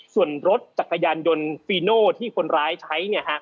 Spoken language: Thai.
ส่วนรถจักรยานยนต์ฟีโน่ที่คนร้ายใช้